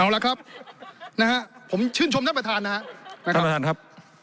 เอาละครับนะครับผมชื่นชมท่านประธานนะครับ